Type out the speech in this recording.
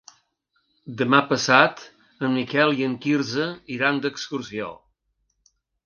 Demà passat en Miquel i en Quirze iran d'excursió.